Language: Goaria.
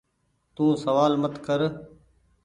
تو سوآل مت ڪر ۔